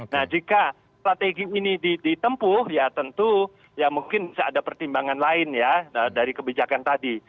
nah jika strategi ini ditempuh ya tentu ya mungkin ada pertimbangan lain ya dari kebijakan tadi